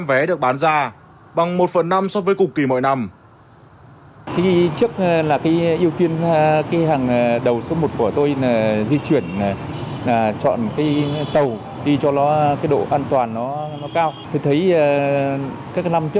vẻ được bán ra bằng một phần năm so với cục kỳ mọi năm